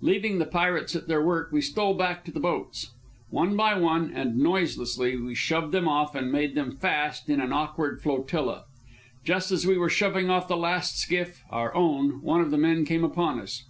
Leaving the pirates at their work, we stole back to the boats. One by one, and noiselessly, we shoved them off and made them fast in an awkward flotilla. Just as we were shoving off the last skiff, our own, one of the men came upon us.